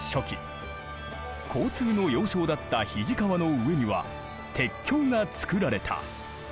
交通の要衝だった肱川の上には鉄橋がつくられた。